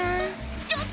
「ちょっと！